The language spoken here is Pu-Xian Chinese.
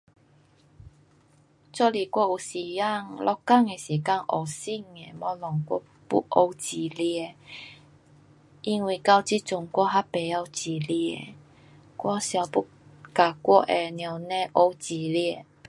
若是我有时间，下工的时间学新的东西，我要学煮吃，因为到这阵我还不晓煮吃。我想要跟我的母亲学煮吃。